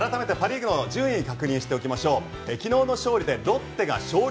改めてパ・リーグの順位を確認しておきましょう。